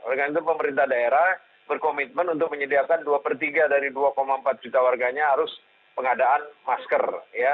dengan itu pemerintah daerah berkomitmen untuk menyediakan dua per tiga dari dua empat juta warganya harus pengadaan masker